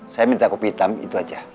saya minta kopi hitam itu aja